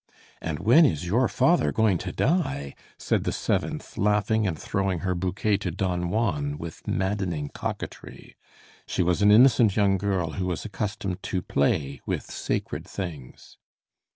"And when is your father going to die?" said the seventh, laughing and throwing her bouquet to Don Juan with maddening coquetry. She was an innocent young girl who was accustomed to play with sacred things.